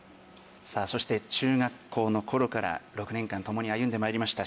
そして中学校の頃から６年間共に歩んでまいりました